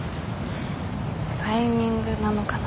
タイミングなのかな。